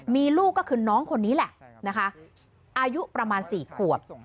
มีลูกก็คือน้องคนนี้แหละนะคะอายุประมาณ๔ขวบ